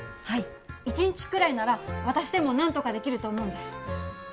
はい一日くらいなら私でも何とかできると思うんです